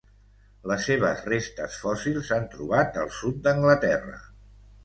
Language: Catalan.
Les seves restes fòssils s'han trobat al sud d'Anglaterra.